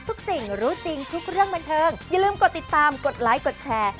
ทุกสิ่งรู้จริงทุกเรื่องบันเทิงอย่าลืมกดติดตามกดไลค์กดแชร์